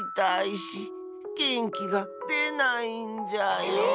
げんきがでないんじゃよ。